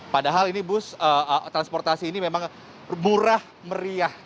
padahal ini bus transportasi ini memang murah meriah